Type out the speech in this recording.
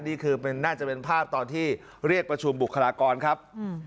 นี่คือน่าจะเป็นภาพตอนที่เรียกประชุมบุคลากรครับ